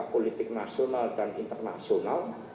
politik nasional dan internasional